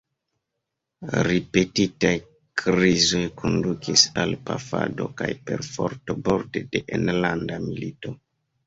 Ripetitaj krizoj kondukis al pafado kaj perforto, borde de enlanda milito.